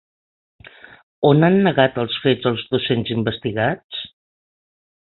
On han negat els fets els docents investigats?